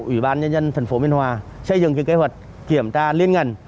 ủy ban nhân dân tp biên hòa xây dựng kế hoạch kiểm tra liên ngành